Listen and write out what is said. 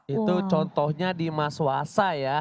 itu contohnya di mas wasa ya